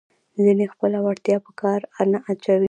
ځینې خپله وړتیا په کار نه اچوي.